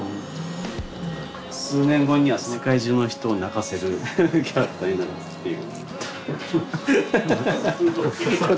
数年後には世界中の人を泣かせるキャラクターになるっていう。